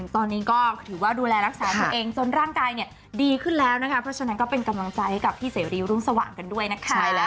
ตอนนี้ก็ถือว่าดูแลรักษาตัวเองจนร่างกายดีขึ้นแล้วนะคะเพราะฉะนั้นก็เป็นกำลังใจให้กับพี่เสรีรุ่งสว่างกันด้วยนะคะ